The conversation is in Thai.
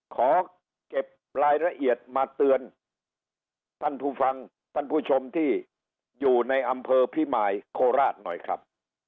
ขอเก็บรายละเอียดมาเตือนท่านผู้ฟังท่านผู้ชมที่อยู่ในอำเภอพิมายโคราชหน่อยครับ